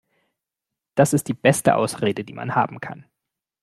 Das ist die beste Ausrede, die man haben kann.